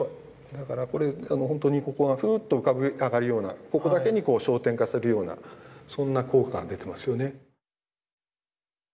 だからこれあのほんとにここがふっと浮かび上がるようなここだけに焦点化するようなそんな効果が出てますよね。